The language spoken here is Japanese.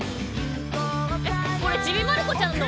「これ『ちびまる子ちゃん』の？」